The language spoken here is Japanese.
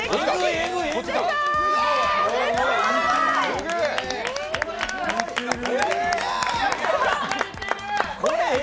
すげえ！